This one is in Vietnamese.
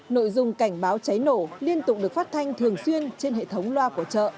nội dung cảnh báo cháy nổ liên tục được phát thanh thường xuyên trên hệ thống loa của chợ